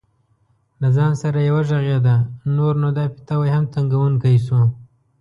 له ځان سره یې وغږېده: نور نو دا پیتاوی هم تنګوونکی شو.